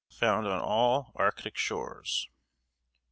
Found on all Arctic shores.